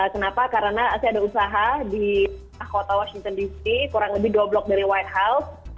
kenapa karena saya ada usaha di kota washington dc kurang lebih dua blok dari white house